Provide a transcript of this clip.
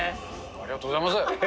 ありがとうございます。